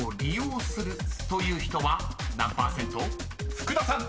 ［福田さん］